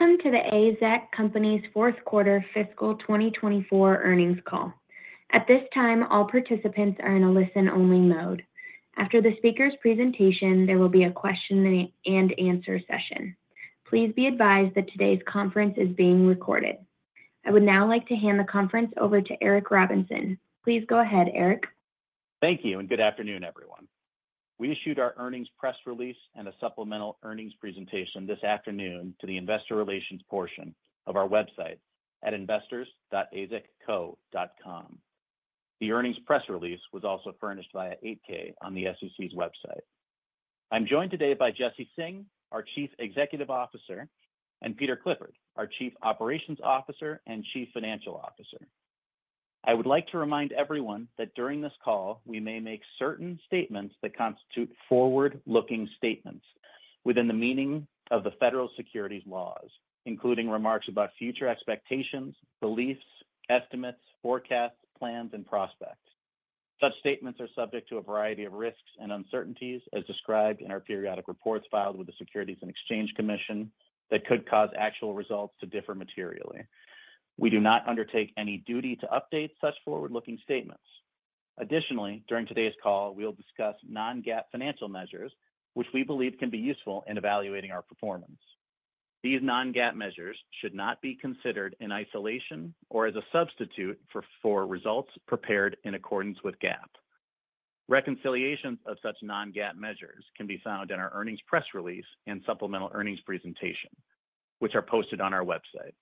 Welcome to the AZEK Company's Fourth Quarter Fiscal 2024 Earnings Call. At this time, all participants are in a listen-only mode. After the speaker's presentation, there will be a question and answer session. Please be advised that today's conference is being recorded. I would now like to hand the conference over to Eric Robinson. Please go ahead, Eric. Thank you, and good afternoon, everyone. We issued our earnings press release and a supplemental earnings presentation this afternoon to the investor relations portion of our website at investors.azekco.com. The earnings press release was also furnished via 8-K on the SEC's website. I'm joined today by Jesse Singh, our Chief Executive Officer, and Peter Clifford, our Chief Operations Officer and Chief Financial Officer. I would like to remind everyone that during this call, we may make certain statements that constitute forward-looking statements within the meaning of the federal securities laws, including remarks about future expectations, beliefs, estimates, forecasts, plans, and prospects. Such statements are subject to a variety of risks and uncertainties, as described in our periodic reports filed with the Securities and Exchange Commission, that could cause actual results to differ materially. We do not undertake any duty to update such forward-looking statements. Additionally, during today's call, we'll discuss non-GAAP financial measures, which we believe can be useful in evaluating our performance. These non-GAAP measures should not be considered in isolation or as a substitute for results prepared in accordance with GAAP. Reconciliations of such non-GAAP measures can be found in our earnings press release and supplemental earnings presentation, which are posted on our website.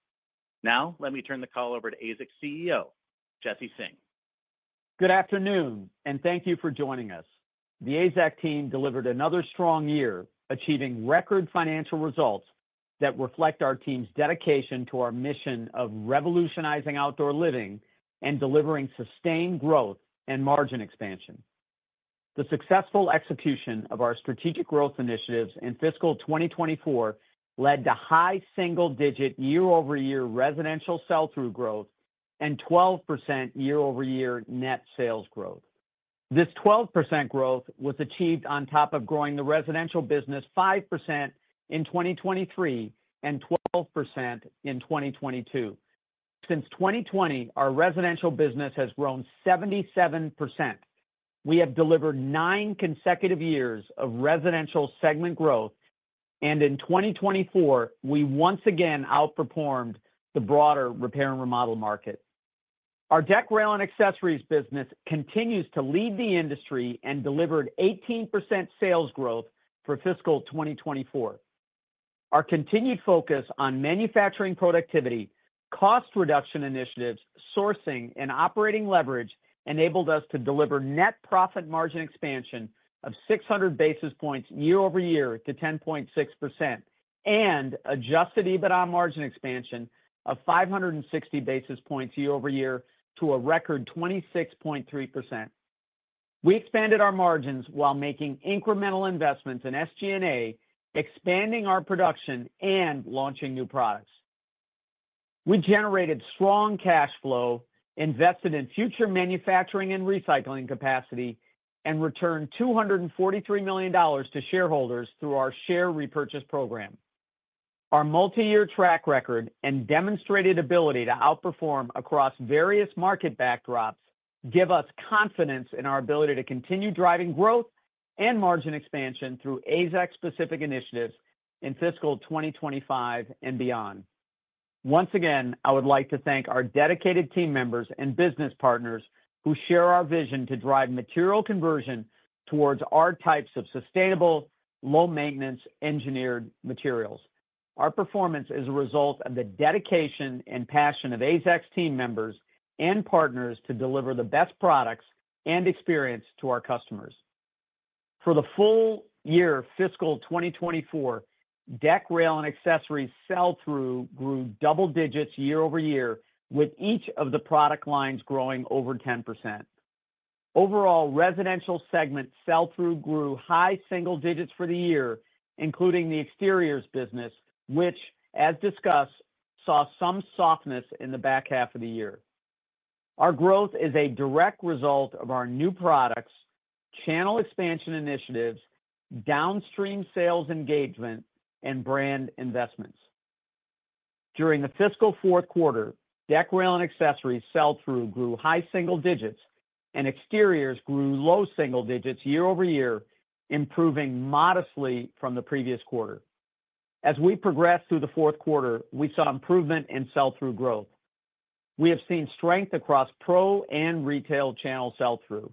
Now, let me turn the call over to AZEK's CEO, Jesse Singh. Good afternoon, and thank you for joining us. The AZEK team delivered another strong year, achieving record financial results that reflect our team's dedication to our mission of revolutionizing outdoor living and delivering sustained growth and margin expansion. The successful execution of our strategic growth initiatives in fiscal 2024 led to high single-digit year-over-year residential sell-through growth and 12% year-over-year net sales growth. This 12% growth was achieved on top of growing the Residential business 5% in 2023 and 12% in 2022. Since 2020, our Residential business has grown 77%. We have delivered nine consecutive years of Residential segment growth, and in 2024, we once again outperformed the broader repair and remodel market. Our Deck, Rail & Accessories business continues to lead the industry and delivered 18% sales growth for fiscal 2024. Our continued focus on manufacturing productivity, cost reduction initiatives, sourcing, and operating leverage enabled us to deliver net profit margin expansion of 600 basis points year-over-year to 10.6% and adjusted EBITDA margin expansion of 560 basis points year-over-year to a record 26.3%. We expanded our margins while making incremental investments in SG&A, expanding our production, and launching new products. We generated strong cash flow, invested in future manufacturing and recycling capacity, and returned $243 million to shareholders through our share repurchase program. Our multi-year track record and demonstrated ability to outperform across various market backdrops give us confidence in our ability to continue driving growth and margin expansion through AZEK-specific initiatives in fiscal 2025 and beyond. Once again, I would like to thank our dedicated team members and business partners who share our vision to drive material conversion toward our types of sustainable, low-maintenance engineered materials. Our performance is a result of the dedication and passion of AZEK's team members and partners to deliver the best products and experience to our customers. For the full year, fiscal 2024, Deck, Rail & Accessories sell-through grew double digits year-over-year, with each of the product lines growing over 10%. Overall, Residential segment sell-through grew high single digits for the year, including the Exteriors business, which, as discussed, saw some softness in the back half of the year. Our growth is a direct result of our new products, channel expansion initiatives, downstream sales engagement, and brand investments. During the fiscal fourth quarter, Deck, Rail & Accessories sell-through grew high single digits, and Exteriors grew low single digits year-over-year, improving modestly from the previous quarter. As we progressed through the fourth quarter, we saw improvement in sell-through growth. We have seen strength across pro and retail channel sell-through.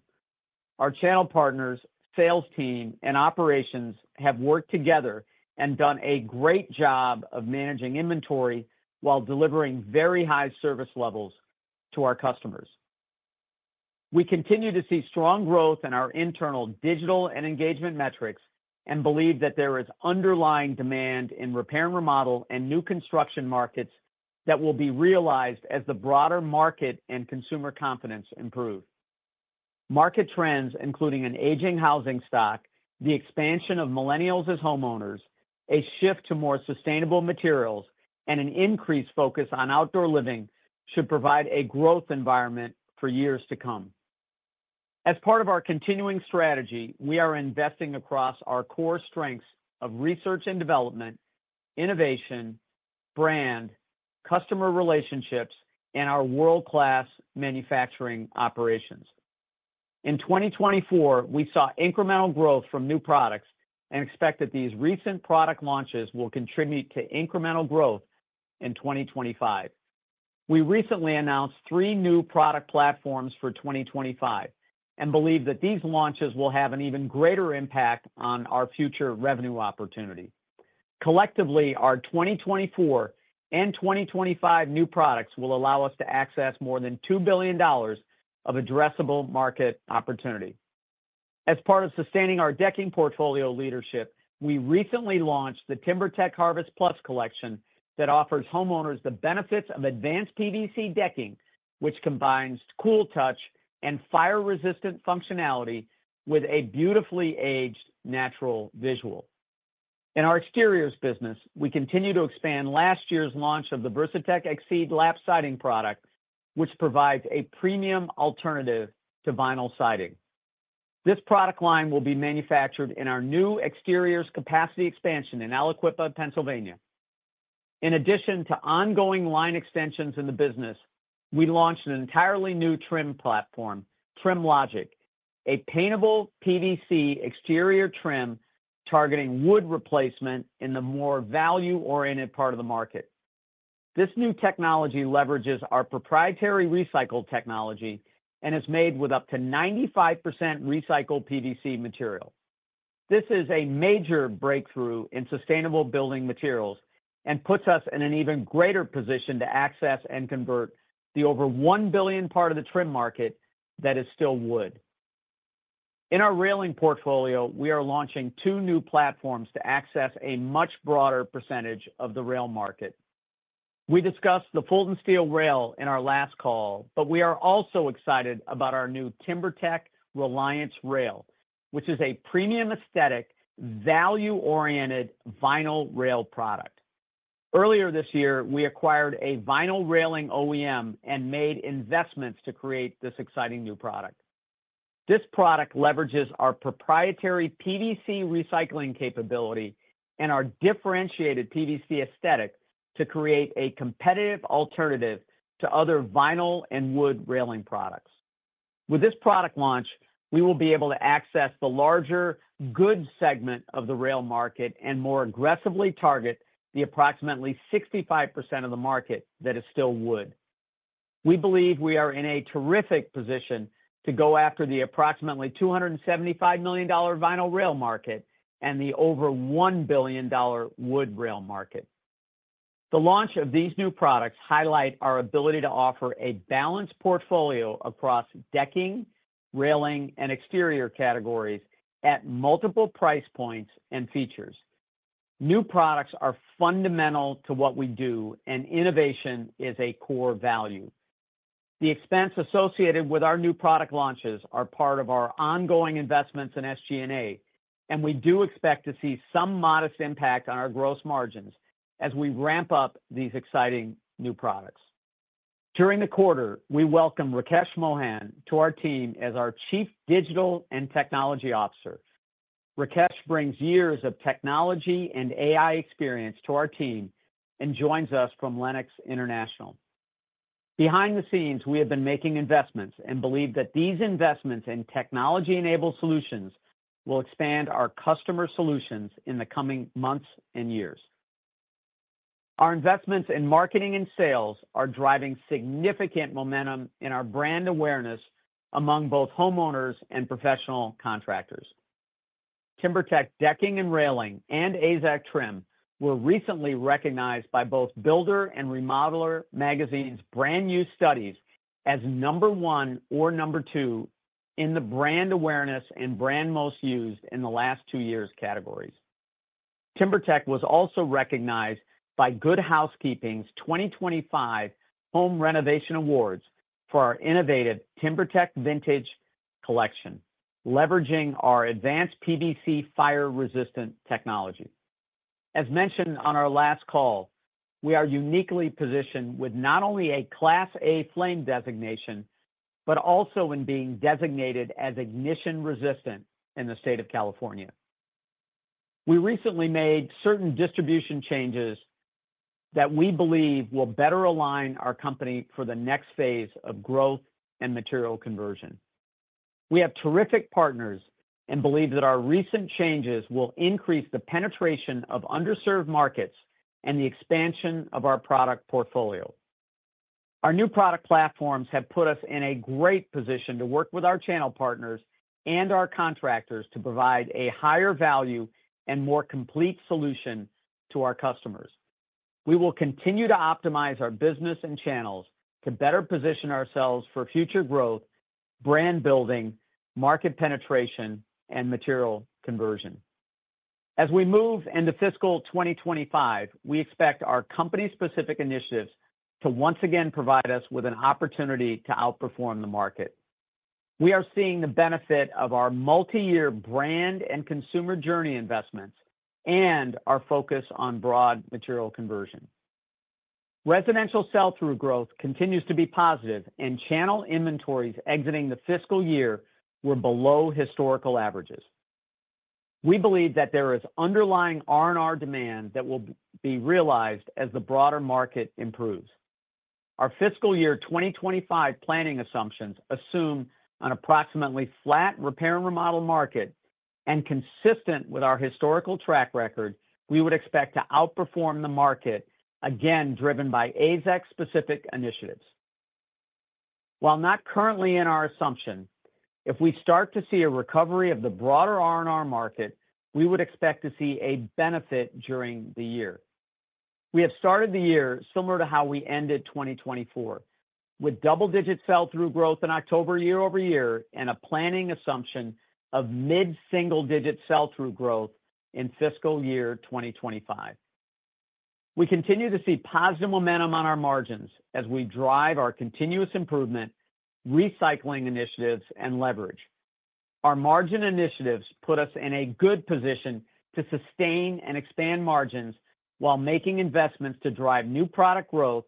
Our channel partners, sales team, and operations have worked together and done a great job of managing inventory while delivering very high service levels to our customers. We continue to see strong growth in our internal digital and engagement metrics and believe that there is underlying demand in repair and remodel and new construction markets that will be realized as the broader market and consumer confidence improve. Market trends, including an aging housing stock, the expansion of millennials as homeowners, a shift to more sustainable materials, and an increased focus on outdoor living should provide a growth environment for years to come. As part of our continuing strategy, we are investing across our core strengths of research and development, innovation, brand, customer relationships, and our world-class manufacturing operations. In 2024, we saw incremental growth from new products and expect that these recent product launches will contribute to incremental growth in 2025. We recently announced three new product platforms for 2025 and believe that these launches will have an even greater impact on our future revenue opportunity. Collectively, our 2024 and 2025 new products will allow us to access more than $2 billion of addressable market opportunity. As part of sustaining our decking portfolio leadership, we recently launched the TimberTech Harvest+ Collection that offers homeowners the benefits of advanced PVC decking, which combines cool touch and fire-resistant functionality with a beautifully aged natural visual. In our Exteriors business, we continue to expand last year's launch of the Versatex XCEED lap siding product, which provides a premium alternative to vinyl siding. This product line will be manufactured in our new exteriors capacity expansion in Aliquippa, Pennsylvania. In addition to ongoing line extensions in the business, we launched an entirely new trim platform, TrimLogic, a paintable PVC exterior trim targeting wood replacement in the more value-oriented part of the market. This new technology leverages our proprietary recycled technology and is made with up to 95% recycled PVC material. This is a major breakthrough in sustainable building materials and puts us in an even greater position to access and convert the over $1 billion part of the trim market that is still wood. In our railing portfolio, we are launching two new platforms to access a much broader percentage of the rail market. We discussed the Fulton Steel Rail in our last call, but we are also excited about our new TimberTech Reliance Rail, which is a premium aesthetic, value-oriented vinyl rail product. Earlier this year, we acquired a vinyl railing OEM and made investments to create this exciting new product. This product leverages our proprietary PVC recycling capability and our differentiated PVC aesthetic to create a competitive alternative to other vinyl and wood railing products. With this product launch, we will be able to access the larger Good segment of the rail market and more aggressively target the approximately 65% of the market that is still wood. We believe we are in a terrific position to go after the approximately $275 million vinyl rail market and the over $1 billion wood rail market. The launch of these new products highlights our ability to offer a balanced portfolio across decking, railing, and exterior categories at multiple price points and features. New products are fundamental to what we do, and innovation is a core value. The expense associated with our new product launches is part of our ongoing investments in SG&A, and we do expect to see some modest impact on our gross margins as we ramp up these exciting new products. During the quarter, we welcome Rakesh Mohan to our team as our Chief Digital and Technology Officer. Rakesh brings years of technology and AI experience to our team and joins us from Lennox International. Behind the scenes, we have been making investments and believe that these investments in technology-enabled solutions will expand our customer solutions in the coming months and years. Our investments in marketing and sales are driving significant momentum in our brand awareness among both homeowners and professional contractors. TimberTech Decking and Railing and AZEK Trim were recently recognized by both Builder and Remodeler magazines' brand use studies as number one or number two in the brand awareness and brand most used in the last two years categories. TimberTech was also recognized by Good Housekeeping's 2025 Home Renovation Awards for our innovative TimberTech Vintage Collection, leveraging our advanced PVC fire-resistant technology. As mentioned on our last call, we are uniquely positioned with not only a Class A flame designation, but also in being designated as ignition resistant in the state of California. We recently made certain distribution changes that we believe will better align our company for the next phase of growth and material conversion. We have terrific partners and believe that our recent changes will increase the penetration of underserved markets and the expansion of our product portfolio. Our new product platforms have put us in a great position to work with our channel partners and our contractors to provide a higher value and more complete solution to our customers. We will continue to optimize our business and channels to better position ourselves for future growth, brand building, market penetration, and material conversion. As we move into fiscal 2025, we expect our company-specific initiatives to once again provide us with an opportunity to outperform the market. We are seeing the benefit of our multi-year brand and consumer journey investments and our focus on broad material conversion. Residential sell-through growth continues to be positive, and channel inventories exiting the fiscal year were below historical averages. We believe that there is underlying R&R demand that will be realized as the broader market improves. Our fiscal year 2025 planning assumptions assume an approximately flat repair and remodel market, and consistent with our historical track record, we would expect to outperform the market, again driven by AZEK-specific initiatives. While not currently in our assumption, if we start to see a recovery of the broader R&R market, we would expect to see a benefit during the year. We have started the year similar to how we ended 2024, with double-digit sell-through growth in October year-over-year and a planning assumption of mid-single-digit sell-through growth in fiscal year 2025. We continue to see positive momentum on our margins as we drive our continuous improvement, recycling initiatives, and leverage. Our margin initiatives put us in a good position to sustain and expand margins while making investments to drive new product growth,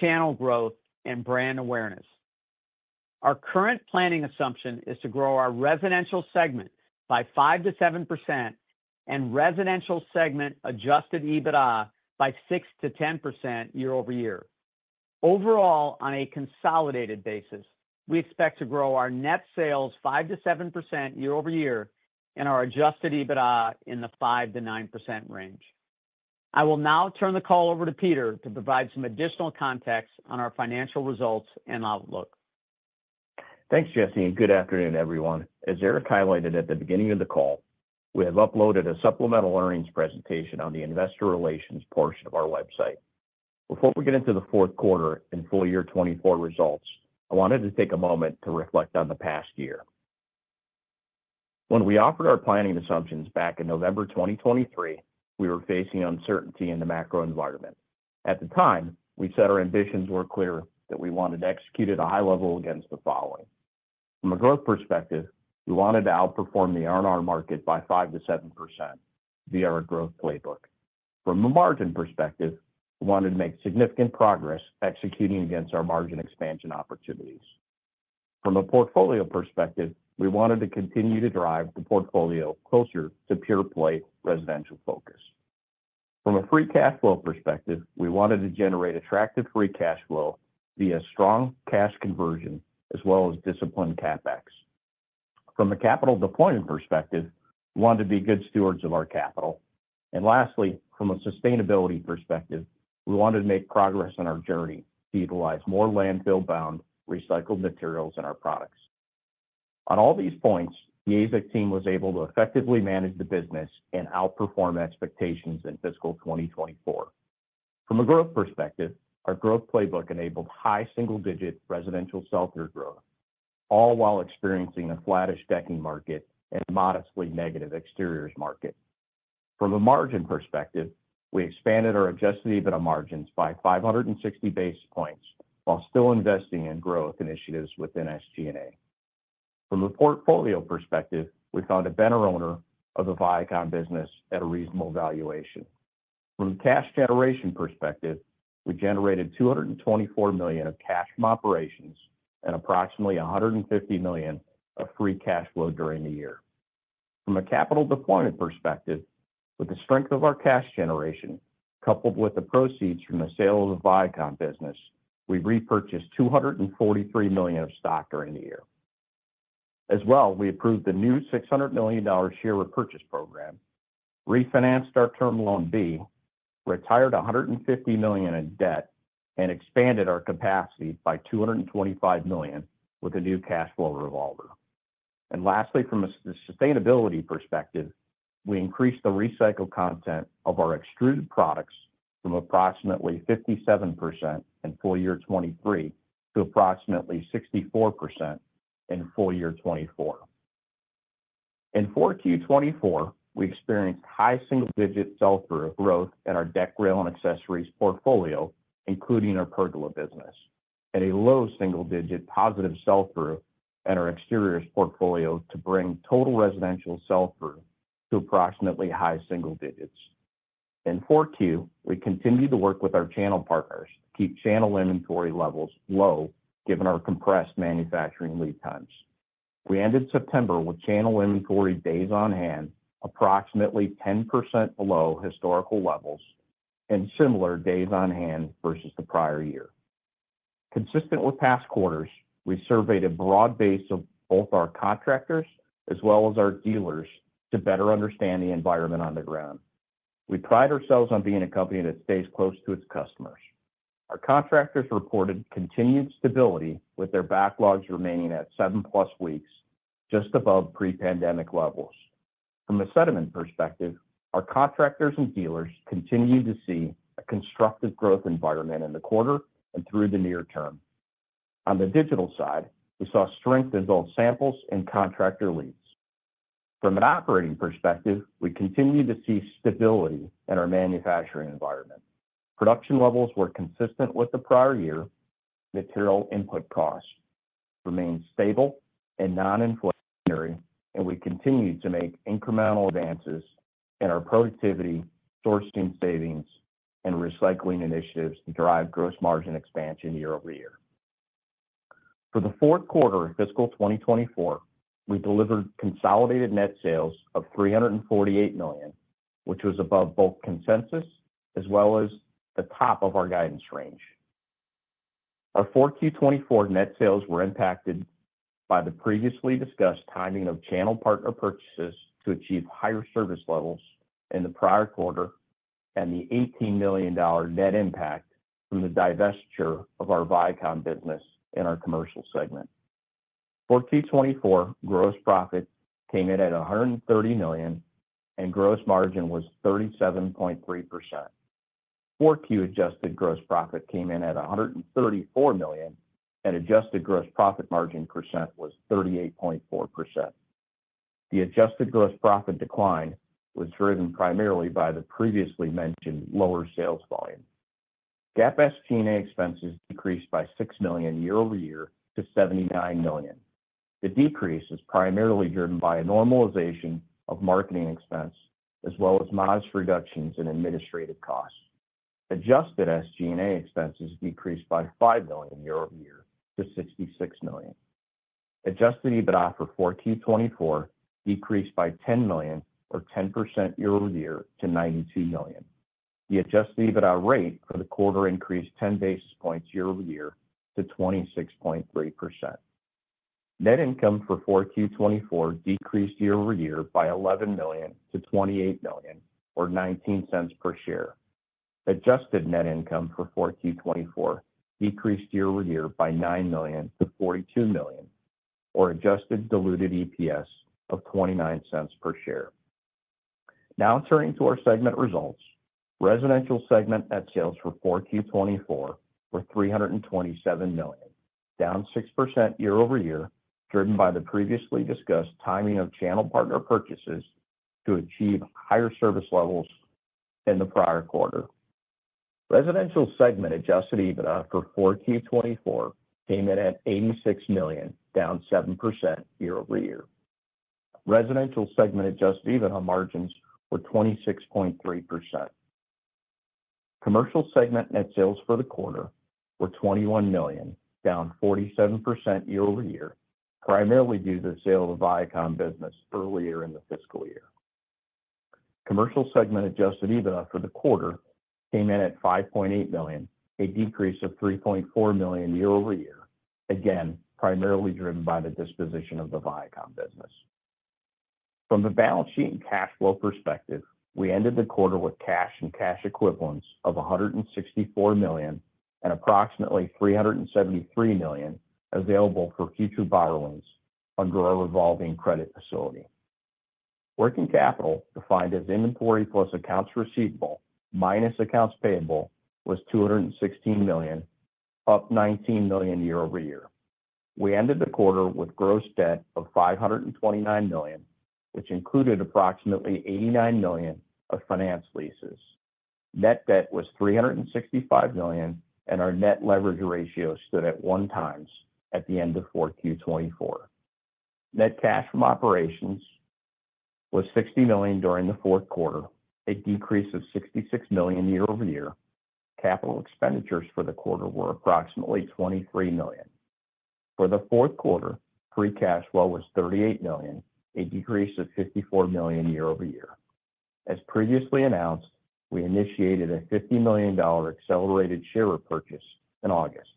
channel growth, and brand awareness. Our current planning assumption is to grow our Residential segment by 5%-7% and Residential segment adjusted EBITDA by 6%-10% year-over-year. Overall, on a consolidated basis, we expect to grow our net sales 5%-7% year-over-year and our adjusted EBITDA in the 5%-9% range. I will now turn the call over to Peter to provide some additional context on our financial results and outlook. Thanks, Jesse, and good afternoon, everyone. As Eric highlighted at the beginning of the call, we have uploaded a supplemental earnings presentation on the investor relations portion of our website. Before we get into the fourth quarter and full year 2024 results, I wanted to take a moment to reflect on the past year. When we offered our planning assumptions back in November 2023, we were facing uncertainty in the macro environment. At the time, we said our ambitions were clear that we wanted to execute at a high level against the following. From a growth perspective, we wanted to outperform the R&R market by 5%-7% via our growth playbook. From a margin perspective, we wanted to make significant progress executing against our margin expansion opportunities. From a portfolio perspective, we wanted to continue to drive the portfolio closer to pure play residential focus. From a free cash flow perspective, we wanted to generate attractive free cash flow via strong cash conversion as well as disciplined CapEx. From a capital deployment perspective, we wanted to be good stewards of our capital. And lastly, from a sustainability perspective, we wanted to make progress on our journey to utilize more landfill-bound recycled materials in our products. On all these points, the AZEK team was able to effectively manage the business and outperform expectations in fiscal 2024. From a growth perspective, our growth playbook enabled high single-digit residential sell-through growth, all while experiencing a flattish decking market and a modestly negative exteriors market. From a margin perspective, we expanded our adjusted EBITDA margins by 560 basis points while still investing in growth initiatives within SG&A. From a portfolio perspective, we found a better owner of a Vycom business at a reasonable valuation. From a cash generation perspective, we generated $224 million of cash from operations and approximately $150 million of free cash flow during the year. From a capital deployment perspective, with the strength of our cash generation coupled with the proceeds from the sale of the Vycom business, we repurchased $243 million of stock during the year. As well, we approved the new $600 million share repurchase program, refinanced our Term Loan B, retired $150 million in debt, and expanded our capacity by $225 million with a new cash flow revolver. And lastly, from a sustainability perspective, we increased the recycled content of our extruded products from approximately 57% in full year 2023 to approximately 64% in full year 2024. In Q4 2024, we experienced high single-digit sell-through growth in our Deck, Rail & Accessories portfolio, including our Pergola business, and a low single-digit positive sell-through in our Exteriors portfolio to bring total residential sell-through to approximately high single digits. In 4Q, we continued to work with our channel partners to keep channel inventory levels low given our compressed manufacturing lead times. We ended September with channel inventory days on hand approximately 10% below historical levels and similar days on hand versus the prior year. Consistent with past quarters, we surveyed a broad base of both our contractors as well as our dealers to better understand the environment on the ground. We pride ourselves on being a company that stays close to its customers. Our contractors reported continued stability, with their backlogs remaining at seven-plus weeks, just above pre-pandemic levels. From a sentiment perspective, our contractors and dealers continue to see a constructive growth environment in the quarter and through the near term. On the digital side, we saw strength in both samples and contractor leads. From an operating perspective, we continue to see stability in our manufacturing environment. Production levels were consistent with the prior year. Material input cost remained stable and non-inflationary, and we continued to make incremental advances in our productivity, sourcing savings, and recycling initiatives to drive gross margin expansion year-over-year. For the fourth quarter of fiscal 2024, we delivered consolidated net sales of $348 million, which was above both consensus as well as the top of our guidance range. Our 4Q 2024 net sales were impacted by the previously discussed timing of channel partner purchases to achieve higher service levels in the prior quarter and the $18 million net impact from the divestiture of our Vycom business in our Commercial segment. 4Q 2024 gross profit came in at $130 million, and gross margin was 37.3%. 4Q adjusted gross profit came in at $134 million, and adjusted gross profit margin percent was 38.4%. The adjusted gross profit decline was driven primarily by the previously mentioned lower sales volume. GAAP SG&A expenses decreased by $6 million year-over-year to $79 million. The decrease is primarily driven by a normalization of marketing expense as well as modest reductions in administrative costs. Adjusted SG&A expenses decreased by $5 million year-over-year to $66 million. Adjusted EBITDA for 4Q 2024 decreased by $10 million, or 10% year-over-year, to $92 million. The adjusted EBITDA rate for the quarter increased 10 basis points year-over-year to 26.3%. Net income for 4Q 2024 decreased year-over-year by $11 million to $28 million, or $0.19 per share. Adjusted net income for 4Q 2024 decreased year-over-year by $9 million to $42 million, or adjusted diluted EPS of $0.29 per share. Now turning to our segment results, Residential segment net sales for 4Q 2024 were $327 million, down 6% year-over-year, driven by the previously discussed timing of channel partner purchases to achieve higher service levels than the prior quarter. Residential segment adjusted EBITDA for Q4 2024 came in at $86 million, down 7% year-over-year. Residential segment adjusted EBITDA margins were 26.3%. Commercial segment net sales for the quarter were $21 million, down 47% year-over-year, primarily due to the sale of the Vycom business earlier in the fiscal year. Commercial segment adjusted EBITDA for the quarter came in at $5.8 million, a decrease of $3.4 million year-over-year, again primarily driven by the disposition of the Vycom business. From the balance sheet and cash flow perspective, we ended the quarter with cash and cash equivalents of $164 million and approximately $373 million available for future borrowings under our revolving credit facility. Working capital, defined as inventory plus accounts receivable minus accounts payable, was $216 million, up $19 million year-over-year. We ended the quarter with gross debt of $529 million, which included approximately $89 million of finance leases. Net debt was $365 million, and our net leverage ratio stood at one times at the end of 4Q 2024. Net cash from operations was $60 million during the fourth quarter, a decrease of $66 million year-over-year. Capital expenditures for the quarter were approximately $23 million. For the fourth quarter, free cash flow was $38 million, a decrease of $54 million year-over-year. As previously announced, we initiated a $50 million accelerated share repurchase in August.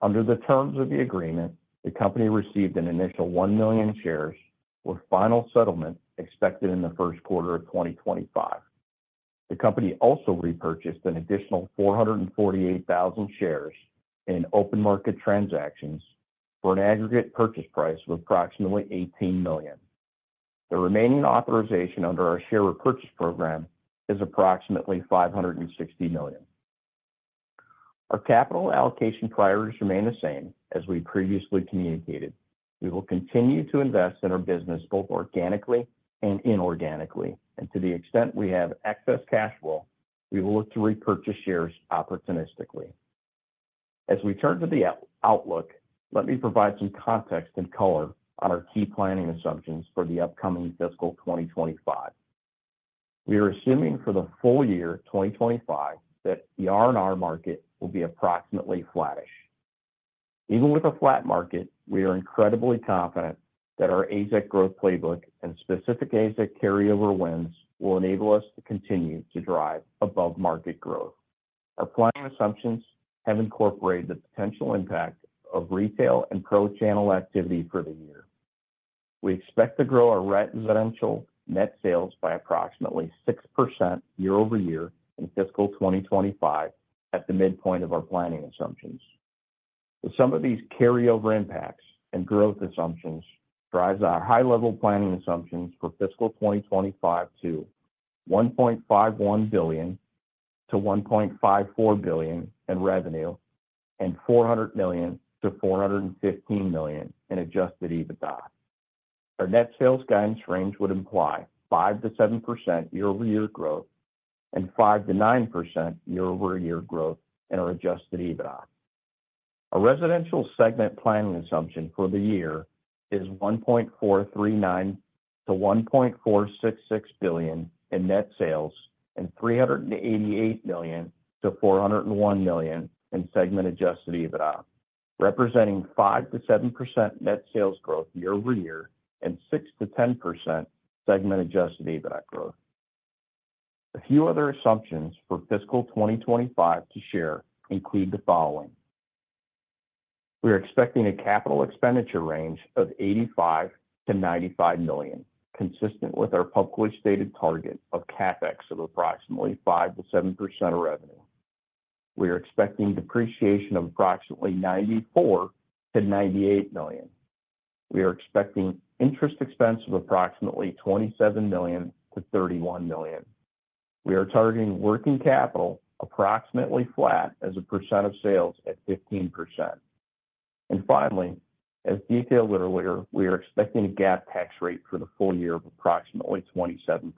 Under the terms of the agreement, the company received an initial one million shares, with final settlement expected in the first quarter of 2025. The company also repurchased an additional 448,000 shares in open market transactions for an aggregate purchase price of approximately $18 million. The remaining authorization under our share repurchase program is approximately $560 million. Our capital allocation priorities remain the same, as we previously communicated. We will continue to invest in our business both organically and inorganically, and to the extent we have excess cash flow, we will look to repurchase shares opportunistically. As we turn to the outlook, let me provide some context and color on our key planning assumptions for the upcoming fiscal 2025. We are assuming for the full year 2025 that the R&R market will be approximately flattish. Even with a flat market, we are incredibly confident that our AZEK growth playbook and specific AZEK carryover wins will enable us to continue to drive above-market growth. Our planning assumptions have incorporated the potential impact of retail and pro-channel activity for the year. We expect to grow our residential net sales by approximately 6% year-over-year in fiscal 2025 at the midpoint of our planning assumptions. The sum of these carryover impacts and growth assumptions drives our high-level planning assumptions for fiscal 2025 to $1.51 billion-$1.54 billion in revenue and $400 million-$415 million in Adjusted EBITDA. Our net sales guidance range would imply 5%-7% year-over-year growth and 5%-9% year-over-year growth in our adjusted EBITDA. Our Residential segment planning assumption for the year is $1.439 billion-$1.466 billion in net sales and $388 million-$401 million in segment-adjusted EBITDA, representing 5%-7% net sales growth year-over-year and 6%-10% segment-adjusted EBITDA growth. A few other assumptions for fiscal 2025 to share include the following. We are expecting a capital expenditure range of $85 million-$95 million, consistent with our publicly stated target of CapEx of approximately 5%-7% of revenue. We are expecting depreciation of approximately $94 million-$98 million. We are expecting interest expense of approximately $27 million-$31 million. We are targeting working capital approximately flat as a percent of sales at 15%. And finally, as detailed earlier, we are expecting a GAAP tax rate for the full year of approximately 27%.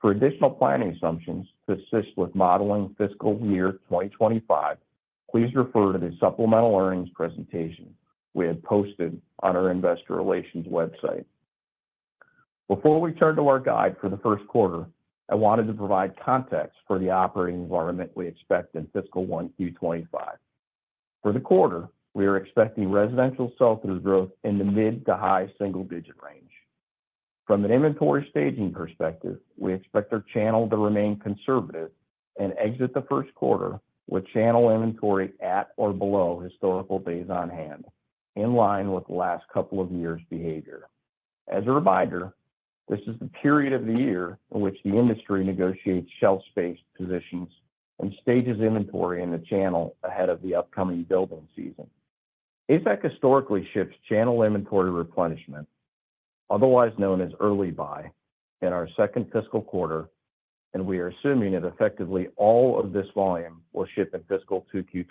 For additional planning assumptions to assist with modeling fiscal year 2025, please refer to the supplemental earnings presentation we had posted on our investor relations website. Before we turn to our guide for the first quarter, I wanted to provide context for the operating environment we expect in fiscal 1Q 2025. For the quarter, we are expecting residential sell-through growth in the mid to high single-digit range. From an inventory staging perspective, we expect our channel to remain conservative and exit the first quarter with channel inventory at or below historical days on hand, in line with the last couple of years' behavior. As a reminder, this is the period of the year in which the industry negotiates shelf-space positions and stages inventory in the channel ahead of the upcoming building season. AZEK historically ships channel inventory replenishment, otherwise known as early buy, in our second fiscal quarter, and we are assuming that effectively all of this volume will ship in fiscal 2Q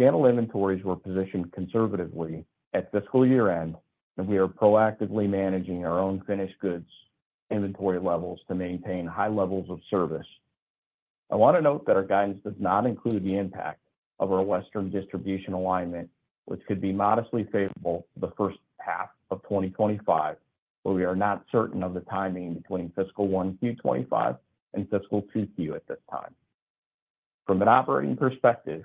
2025. Channel inventories were positioned conservatively at fiscal year-end, and we are proactively managing our own finished goods inventory levels to maintain high levels of service. I want to note that our guidance does not include the impact of our Western distribution alignment, which could be modestly favorable for the first half of 2025, but we are not certain of the timing between fiscal 1Q 2025 and fiscal 2Q at this time. From an operating perspective,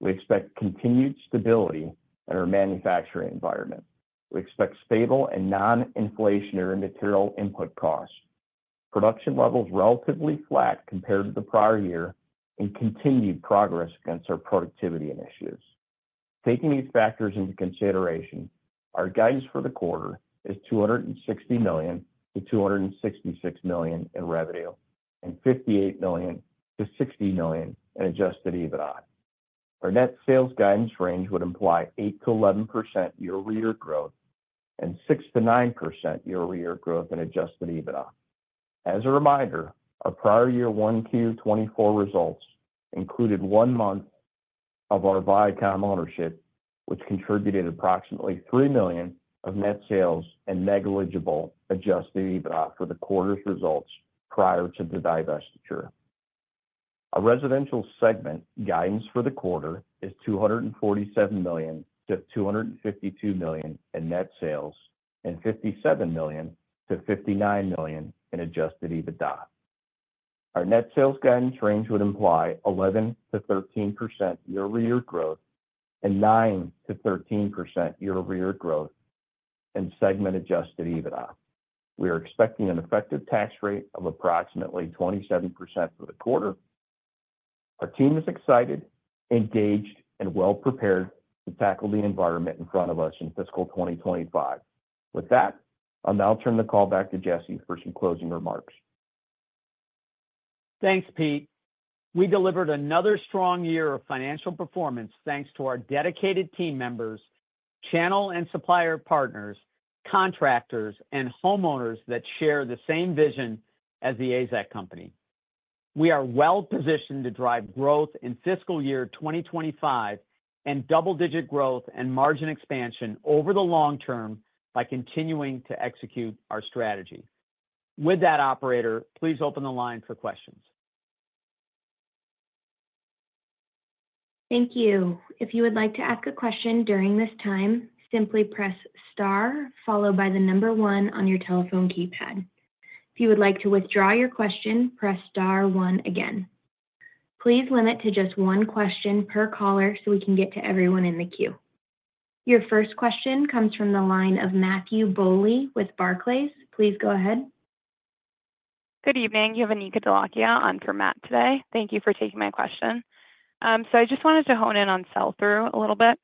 we expect continued stability in our manufacturing environment. We expect stable and non-inflationary material input costs, production levels relatively flat compared to the prior year, and continued progress against our productivity initiatives. Taking these factors into consideration, our guidance for the quarter is $260 million-$266 million in revenue and $58 million-$60 million in adjusted EBITDA. Our net sales guidance range would imply 8%-11% year-over-year growth and 6%-9% year-over-year growth in adjusted EBITDA. As a reminder, our prior year 1Q 2024 results included one month of our Vycom ownership, which contributed approximately $3 million of net sales and negligible adjusted EBITDA for the quarter's results prior to the divestiture. Our Residential segment guidance for the quarter is $247 million-$252 million in net sales and $57 million-$59 million in adjusted EBITDA. Our net sales guidance range would imply 11%-13% year-over-year growth and 9%-13% year-over-year growth in segment-adjusted EBITDA. We are expecting an effective tax rate of approximately 27% for the quarter. Our team is excited, engaged, and well-prepared to tackle the environment in front of us in fiscal 2025. With that, I'll now turn the call back to Jesse for some closing remarks. Thanks, Pete. We delivered another strong year of financial performance thanks to our dedicated team members, channel and supplier partners, contractors, and homeowners that share the same vision as the AZEK Company. We are well-positioned to drive growth in fiscal year 2025 and double-digit growth and margin expansion over the long term by continuing to execute our strategy. With that, Operator, please open the line for questions. Thank you. If you would like to ask a question during this time, simply press star followed by the number one on your telephone keypad. If you would like to withdraw your question, press star one again. Please limit to just one question per caller so we can get to everyone in the queue. Your first question comes from the line of Matthew Bouley with Barclays. Please go ahead. Good evening. Anika Dholakia on for Matt today. Thank you for taking my question. So I just wanted to hone in on sell-through a little bit.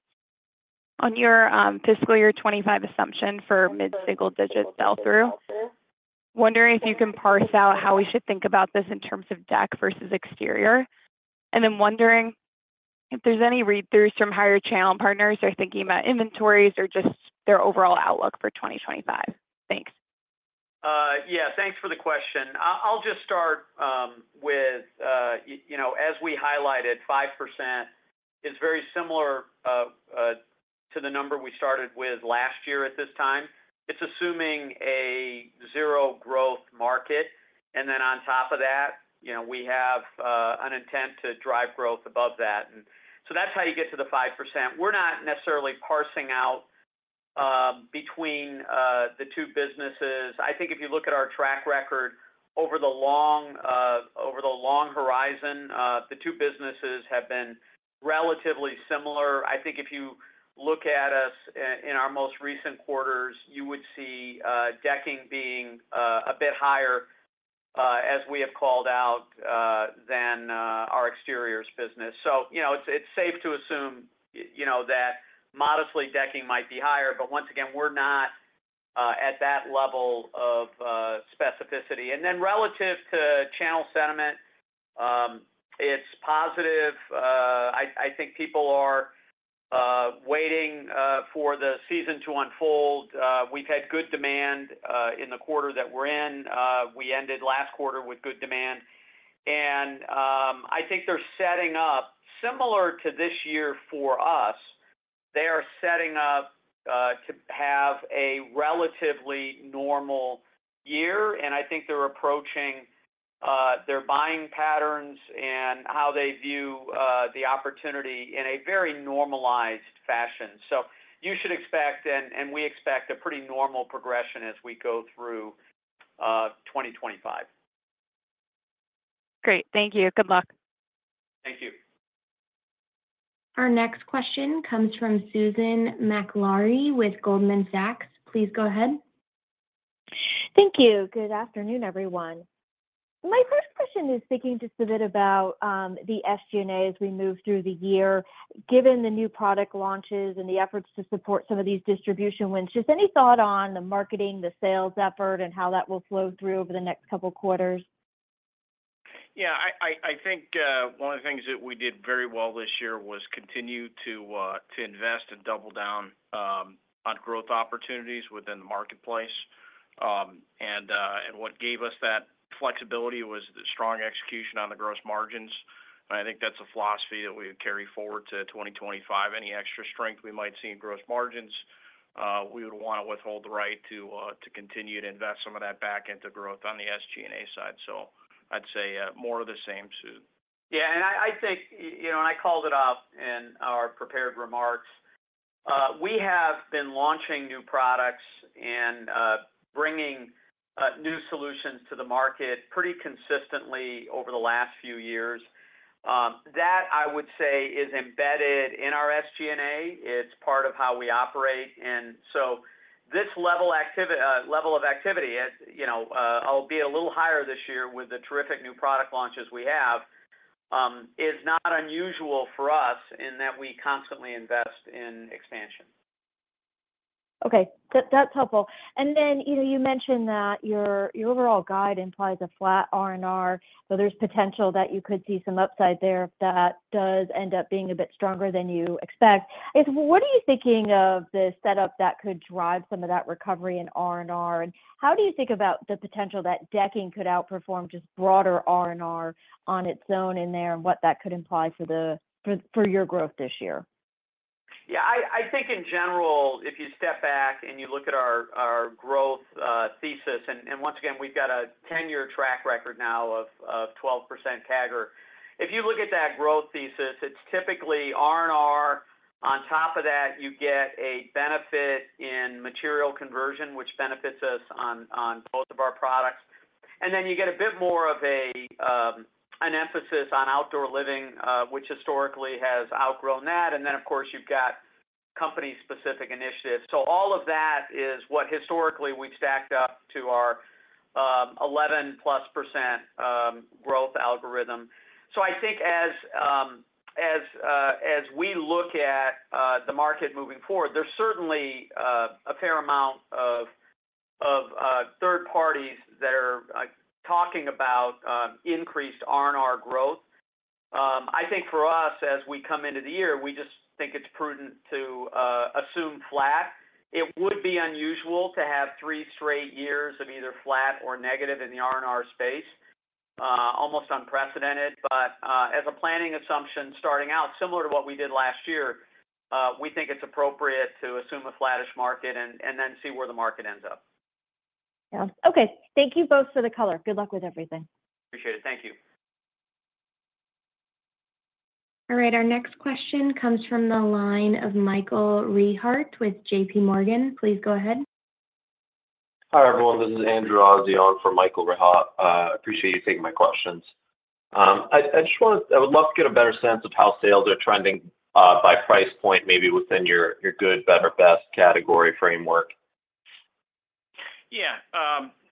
On your fiscal year 2025 assumption for mid-single-digit sell-through, wondering if you can parse out how we should think about this in terms of deck versus exterior. And then wondering if there's any read-throughs from higher channel partners or thinking about inventories or just their overall outlook for 2025. Thanks. Yeah, thanks for the question. I'll just start with, as we highlighted, 5% is very similar to the number we started with last year at this time. It's assuming a zero growth market, and then on top of that, we have an intent to drive growth above that. And so that's how you get to the 5%. We're not necessarily parsing out between the two businesses. I think if you look at our track record over the long horizon, the two businesses have been relatively similar. I think if you look at us in our most recent quarters, you would see decking being a bit higher, as we have called out, than our Exteriors business. So it's safe to assume that modestly decking might be higher, but once again, we're not at that level of specificity. And then relative to channel sentiment, it's positive. I think people are waiting for the season to unfold. We've had good demand in the quarter that we're in. We ended last quarter with good demand. And I think they're setting up similar to this year for us. They are setting up to have a relatively normal year, and I think they're approaching their buying patterns and how they view the opportunity in a very normalized fashion. So you should expect, and we expect, a pretty normal progression as we go through 2025. Great. Thank you. Good luck. Thank you. Our next question comes from Susan Maklari with Goldman Sachs. Please go ahead. Thank you. Good afternoon, everyone. My first question is thinking just a bit about the SG&A as we move through the year. Given the new product launches and the efforts to support some of these distribution wins, just any thought on the marketing, the sales effort, and how that will flow through over the next couple of quarters? Yeah. I think one of the things that we did very well this year was continue to invest and double down on growth opportunities within the marketplace. And what gave us that flexibility was the strong execution on the gross margins. And I think that's a philosophy that we would carry forward to 2025. Any extra strength we might see in gross margins, we would want to withhold the right to continue to invest some of that back into growth on the SG&A side. So I'd say more of the same, Sue. Yeah. I think, and I called it out in our prepared remarks, we have been launching new products and bringing new solutions to the market pretty consistently over the last few years. That, I would say, is embedded in our SG&A. It's part of how we operate. And so this level of activity, albeit a little higher this year with the terrific new product launches we have, is not unusual for us in that we constantly invest in expansion. Okay. That's helpful. Then you mentioned that your overall guide implies a flat R&R, so there's potential that you could see some upside there if that does end up being a bit stronger than you expect. What are you thinking of the setup that could drive some of that recovery in R&R? And how do you think about the potential that decking could outperform just broader R&R on its own in there and what that could imply for your growth this year? Yeah. I think in general, if you step back and you look at our growth thesis, and once again, we've got a 10-year track record now of 12% CAGR. If you look at that growth thesis, it's typically R&R. On top of that, you get a benefit in material conversion, which benefits us on both of our products. And then you get a bit more of an emphasis on outdoor living, which historically has outgrown that. And then, of course, you've got company-specific initiatives. So all of that is what historically we've stacked up to our 11+% growth algorithm. So I think as we look at the market moving forward, there's certainly a fair amount of third parties that are talking about increased R&R growth. I think for us, as we come into the year, we just think it's prudent to assume flat. It would be unusual to have three straight years of either flat or negative in the R&R space, almost unprecedented. But as a planning assumption starting out, similar to what we did last year, we think it's appropriate to assume a flattish market and then see where the market ends up. Yeah. Okay. Thank you both for the color. Good luck with everything. Appreciate it. Thank you. All right. Our next question comes from the line of Michael Rehaut with JPMorgan. Please go ahead. Hi, everyone. This is Andrew Azzi on for Michael Rehaut. Appreciate you taking my questions. I just wanted to—I would love to get a better sense of how sales are trending by price point, maybe within your good, better, best category framework. Yeah.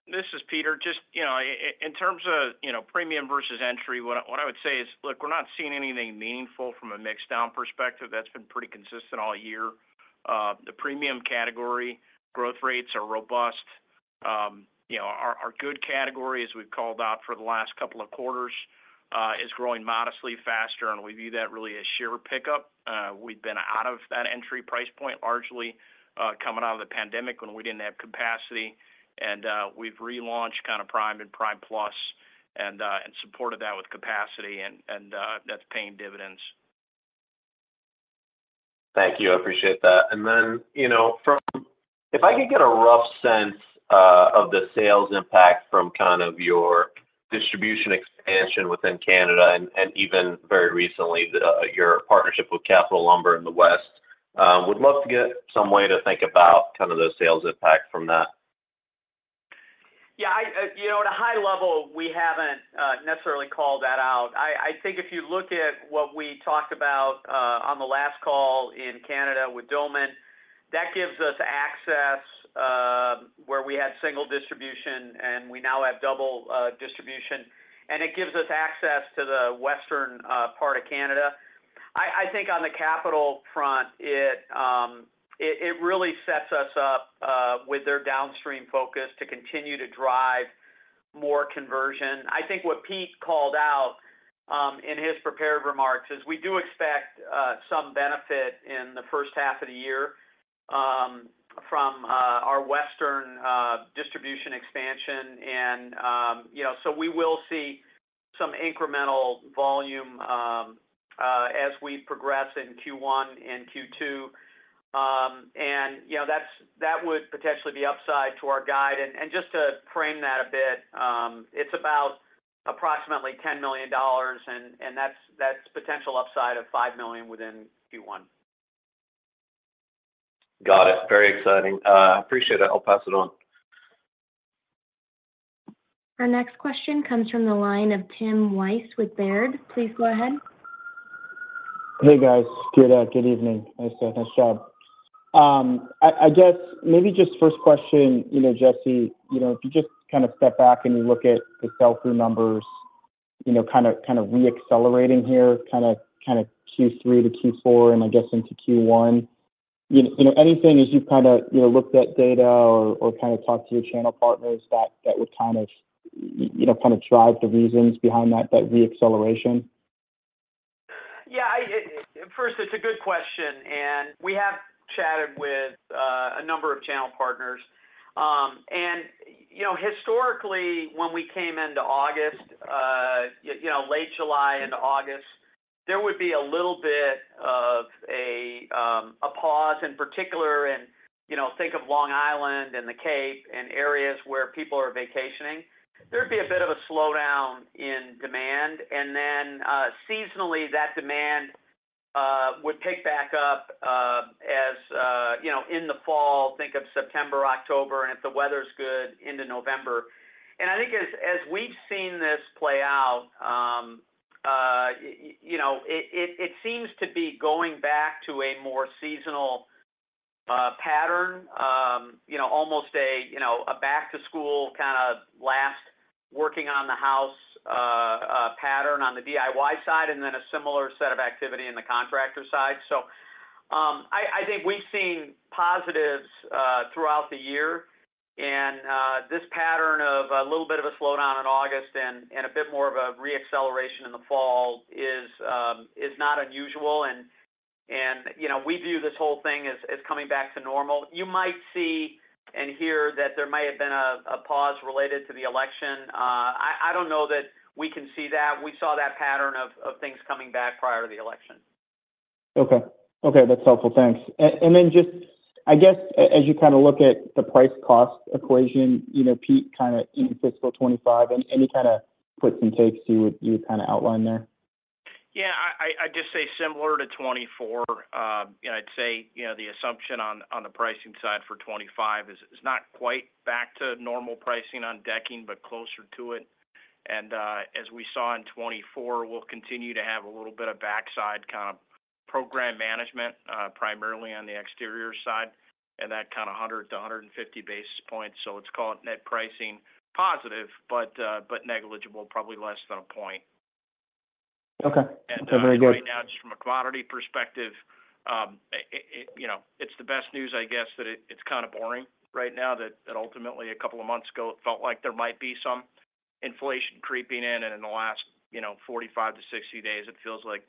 This is Peter. Just in terms of premium versus entry, what I would say is, look, we're not seeing anything meaningful from a mixdown perspective. That's been pretty consistent all year. The premium category growth rates are robust. Our Good category, as we've called out for the last couple of quarters, is growing modestly faster, and we view that really as share pickup. We've been out of that entry price point largely coming out of the pandemic when we didn't have capacity. And we've relaunched kind of Prime and Prime+ and supported that with capacity, and that's paying dividends. Thank you. I appreciate that. And then from, if I could get a rough sense of the sales impact from kind of your distribution expansion within Canada and even very recently your partnership with Capital Lumber in the West, would love to get some way to think about kind of the sales impact from that. Yeah. At a high level, we haven't necessarily called that out. I think if you look at what we talked about on the last call in Canada with Doman, that gives us access where we had single distribution, and we now have double distribution, and it gives us access to the western part of Canada. I think on the Capital front, it really sets us up with their downstream focus to continue to drive more conversion. I think what Pete called out in his prepared remarks is we do expect some benefit in the first half of the year from our western distribution expansion. And so we will see some incremental volume as we progress in Q1 and Q2. And that would potentially be upside to our guide. And just to frame that a bit, it's about approximately $10 million, and that's potential upside of $5 million within Q1. Got it. Very exciting. I appreciate it. I'll pass it on. Our next question comes from the line of Tim Wojs with Baird. Please go ahead. Hey, guys. Good evening. Nice job. I guess maybe just first question, Jesse, if you just kind of step back and you look at the sell-through numbers kind of re-accelerating here, kind of Q3 to Q4 and I guess into Q1, anything as you've kind of looked at data or kind of talked to your channel partners that would kind of drive the reasons behind that re-acceleration? Yeah. First, it's a good question. And we have chatted with a number of channel partners. And historically, when we came into August, late July into August, there would be a little bit of a pause, in particular, and think of Long Island and the Cape and areas where people are vacationing. There would be a bit of a slowdown in demand. And then seasonally, that demand would pick back up as in the fall, think of September, October, and if the weather's good into November. And I think as we've seen this play out, it seems to be going back to a more seasonal pattern, almost a back-to-school kind of last working on the house pattern on the DIY side and then a similar set of activity in the contractor side. So I think we've seen positives throughout the year. And this pattern of a little bit of a slowdown in August and a bit more of a re-acceleration in the fall is not unusual. And we view this whole thing as coming back to normal. You might see and hear that there might have been a pause related to the election. I don't know that we can see that. We saw that pattern of things coming back prior to the election. Okay. Okay. That's helpful. Thanks. And then just, I guess, as you kind of look at the price-cost equation, Pete, kind of in fiscal 2025, any kind of cuts and takes you would kind of outline there? Yeah. I'd just say similar to 2024. I'd say the assumption on the pricing side for 2025 is not quite back to normal pricing on decking, but closer to it. And as we saw in 2024, we'll continue to have a little bit of backside kind of program management, primarily on the Exterior side, and that kind of 100-150 basis points. So let's call it net pricing positive, but negligible, probably less than a point. And so right now, just from a commodity perspective, it's the best news, I guess, that it's kind of boring right now, that ultimately, a couple of months ago, it felt like there might be some inflation creeping in. And in the last 45-60 days, it feels like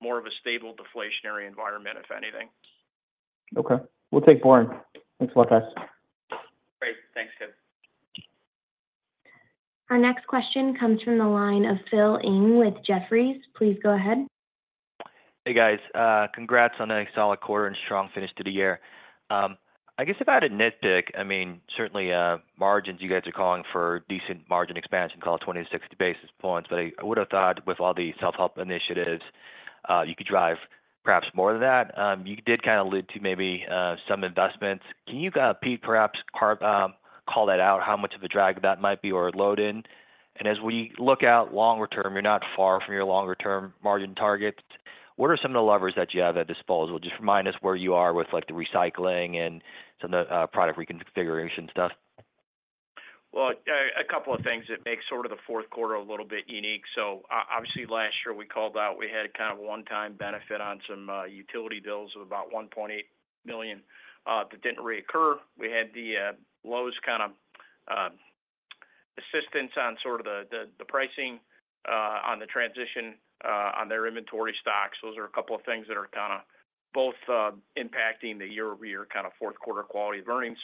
more of a stable deflationary environment, if anything. Okay. We'll take boring. Thanks a lot, guys. Great. Thanks, Tim. Our next question comes from the line of Phil Ng with Jefferies. Please go ahead. Hey, guys. Congrats on a solid quarter and strong finish to the year. I guess if I had a nitpick, I mean, certainly margins, you guys are calling for decent margin expansion, call it 20-60 basis points. But I would have thought with all the self-help initiatives, you could drive perhaps more than that. You did kind of lead to maybe some investments. Can you, Pete, perhaps call that out, how much of a drag that might be or a load-in? And as we look out longer term, you're not far from your longer-term margin targets. What are some of the levers that you have at disposal? Just remind us where you are with the recycling and some of the product reconfiguration stuff. Well, a couple of things that make sort of the fourth quarter a little bit unique. So obviously, last year we called out we had kind of a one-time benefit on some utility bills of about $1.8 million that didn't reoccur. We had the Lowe's kind of assistance on sort of the pricing on the transition on their inventory stocks. Those are a couple of things that are kind of both impacting the year-over-year kind of fourth-quarter quality of earnings.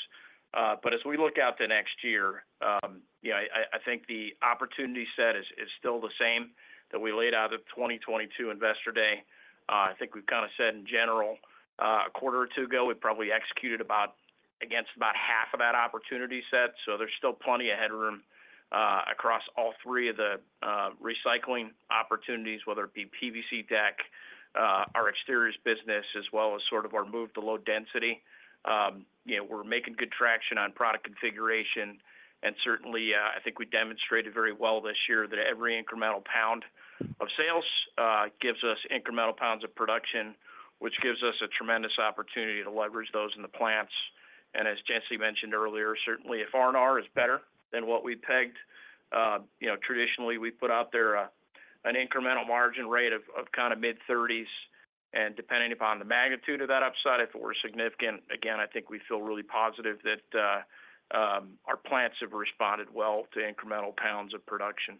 But as we look out to next year, I think the opportunity set is still the same that we laid out at 2022 Investor Day. I think we've kind of said in general, a quarter or two ago, we probably executed against about half of that opportunity set. So there's still plenty of headroom across all three of the recycling opportunities, whether it be PVC deck, our Exteriors business, as well as sort of our move to low density. We're making good traction on product configuration. And certainly, I think we demonstrated very well this year that every incremental pound of sales gives us incremental pounds of production, which gives us a tremendous opportunity to leverage those in the plants. And as Jesse mentioned earlier, certainly if R&R is better than what we pegged, traditionally, we put out there an incremental margin rate of kind of mid-30s. And depending upon the magnitude of that upside, if it were significant, again, I think we feel really positive that our plants have responded well to incremental pounds of production.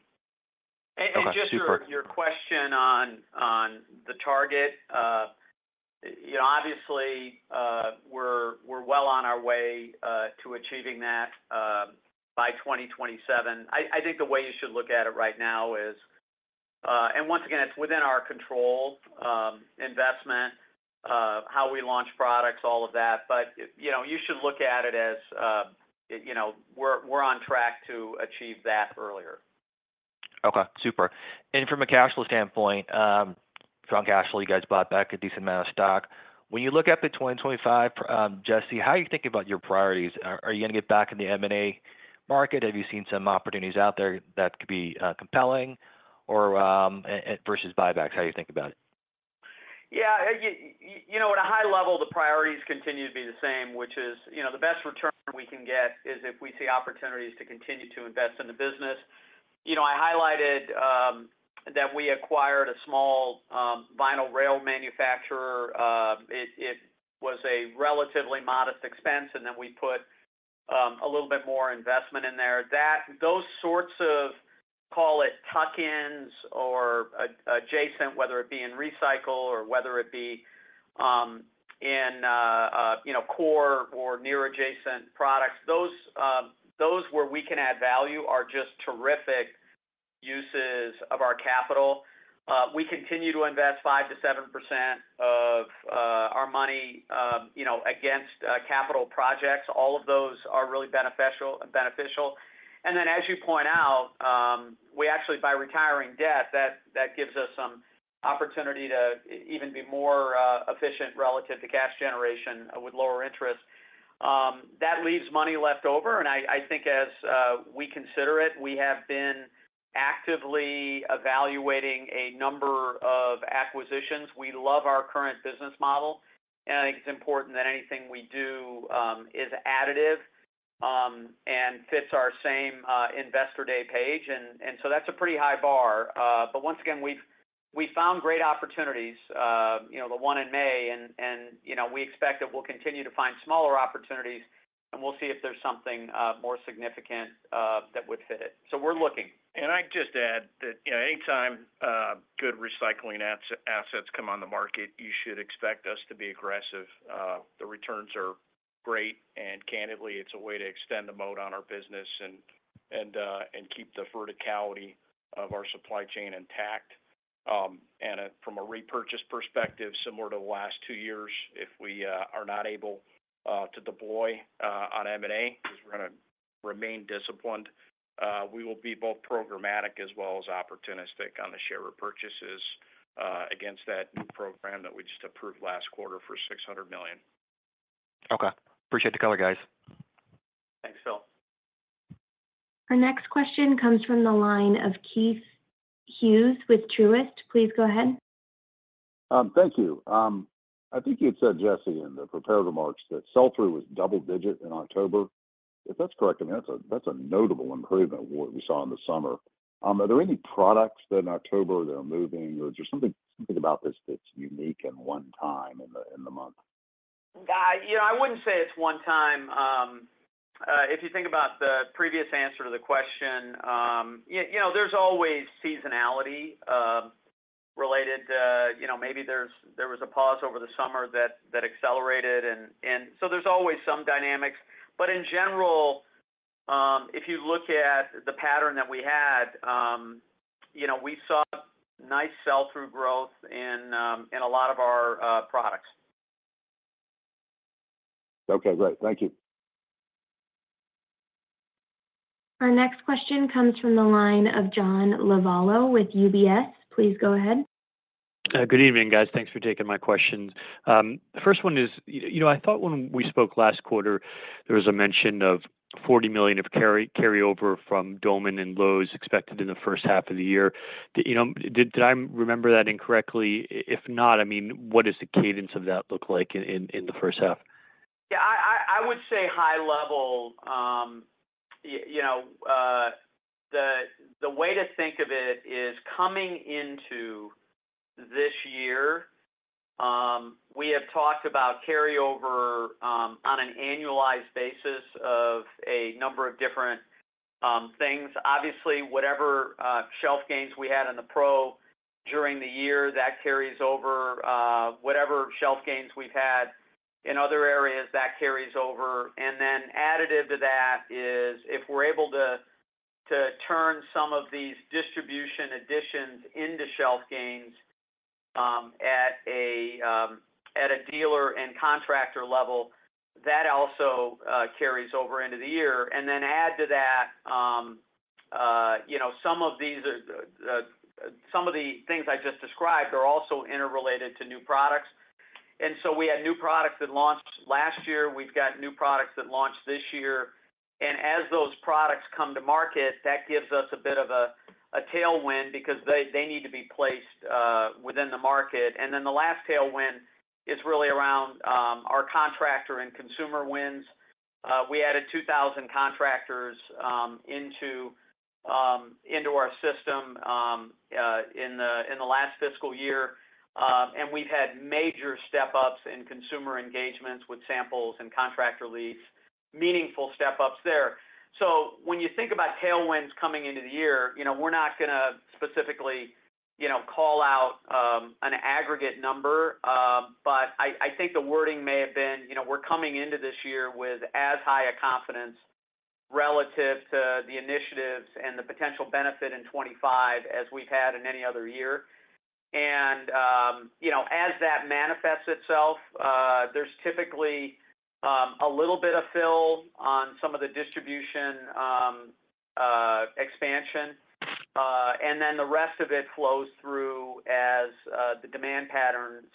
And just your question on the target, obviously, we're well on our way to achieving that by 2027. I think the way you should look at it right now is, and once again, it's within our control investment, how we launch products, all of that. But you should look at it as we're on track to achieve that earlier. Okay. Super. And from a cash flow standpoint, strong cash flow, you guys bought back a decent amount of stock. When you look at 2025, Jesse, how are you thinking about your priorities? Are you going to get back in the M&A market? Have you seen some opportunities out there that could be compelling versus buybacks? How do you think about it? Yeah. At a high level, the priorities continue to be the same, which is the best return we can get is if we see opportunities to continue to invest in the business. I highlighted that we acquired a small vinyl rail manufacturer. It was a relatively modest expense, and then we put a little bit more investment in there. Those sorts of, call it tuck-ins or adjacent, whether it be in recycle or whether it be in core or near-adjacent products, those where we can add value are just terrific uses of our capital. We continue to invest 5%-7% of our money against capital projects. All of those are really beneficial. And then, as you point out, we actually, by retiring debt, that gives us some opportunity to even be more efficient relative to cash generation with lower interest. That leaves money left over. And I think as we consider it, we have been actively evaluating a number of acquisitions. We love our current business model. And I think it's important that anything we do is additive and fits our same investor day page. And so that's a pretty high bar. But once again, we found great opportunities, the one in May. And we expect that we'll continue to find smaller opportunities, and we'll see if there's something more significant that would fit it. So we're looking. And I'd just add that anytime good recycling assets come on the market, you should expect us to be aggressive. The returns are great. And candidly, it's a way to extend the moat on our business and keep the verticality of our supply chain intact. And from a repurchase perspective, similar to the last two years, if we are not able to deploy on M&A because we're going to remain disciplined, we will be both programmatic as well as opportunistic on the share repurchases against that new program that we just approved last quarter for $600 million. Okay. Appreciate the color, guys. Thanks, Phil. Our next question comes from the line of Keith Hughes with Truist. Please go ahead. Thank you. I think you had said, Jesse, in the prepared remarks that sell-through was double-digit in October. If that's correct, I mean, that's a notable improvement of what we saw in the summer. Are there any products that in October they're moving? Or is there something about this that's unique and one-time in the month? I wouldn't say it's one-time. If you think about the previous answer to the question, there's always seasonality related. Maybe there was a pause over the summer that accelerated, and so there's always some dynamics, but in general, if you look at the pattern that we had, we saw nice sell-through growth in a lot of our products. Okay. Great. Thank you. Our next question comes from the line of John Lovallo with UBS. Please go ahead. Good evening, guys. Thanks for taking my questions. The first one is, I thought when we spoke last quarter, there was a mention of $40 million of carryover from Doman and Lowe's expected in the first half of the year. Did I remember that incorrectly? If not, I mean, what does the cadence of that look like in the first half? Yeah. I would say high level. The way to think of it is coming into this year, we have talked about carryover on an annualized basis of a number of different things. Obviously, whatever shelf gains we had in the pro during the year, that carries over. Whatever shelf gains we've had in other areas, that carries over, and then additive to that is if we're able to turn some of these distribution additions into shelf gains at a dealer and contractor level, that also carries over into the year, and then add to that, some of these are some of the things I just described are also interrelated to new products, and so we had new products that launched last year. We've got new products that launched this year, and as those products come to market, that gives us a bit of a tailwind because they need to be placed within the market. And then the last tailwind is really around our contractor and consumer wins. We added 2,000 contractors into our system in the last fiscal year. And we've had major step-ups in consumer engagements with samples and contractor leads, meaningful step-ups there. So when you think about tailwinds coming into the year, we're not going to specifically call out an aggregate number. But I think the wording may have been, "We're coming into this year with as high a confidence relative to the initiatives and the potential benefit in 2025 as we've had in any other year." And as that manifests itself, there's typically a little bit of fill on some of the distribution expansion. And then the rest of it flows through as the demand patterns